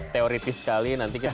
teoritis sekali nanti kita